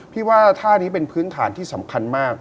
ว่าท่านี้เป็นพื้นฐานที่สำคัญมาก